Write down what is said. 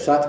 bây giờ x